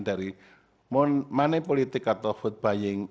dari money politik atau food buying